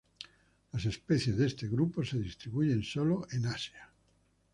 Las especies de este grupo se distribuyen sólo en Asia.